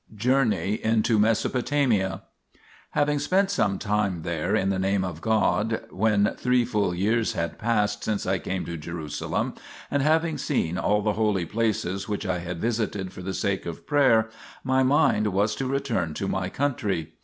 JOURNEY INTO MESOPOTAMIA Having spent some time there in the Name of God, when three full years had passed since I came to Jerusalem, and having seen all the holy places which I had visited for the sake of prayer, my mind was to return to my country.